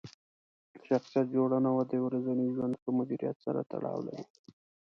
شخصیت جوړونه د ورځني ژوند ښه مدیریت سره تړاو لري.